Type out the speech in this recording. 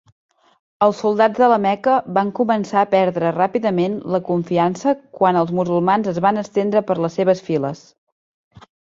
Els soldats de la Meca van començar a perdre ràpidament la confiança quan els musulmans es van estendre per les seves files.